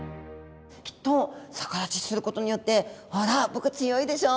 きっと逆立ちすることによってほら僕強いでしょうって